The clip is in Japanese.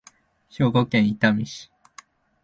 兵庫県伊丹市